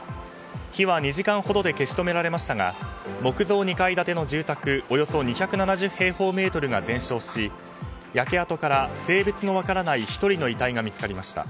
火は２時間ほどで消し止められましたが木造２階建ての住宅およそ２７０平方メートルが全焼し焼け跡から性別の分からない１人の遺体が見つかりました。